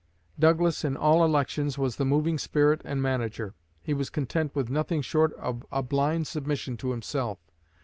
Douglas, in all elections, was the moving spirit and manager. He was content with nothing short of a blind submission to himself.